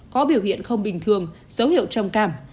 có biểu hiện không bình thường dấu hiệu trầm cảm